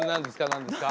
何ですか？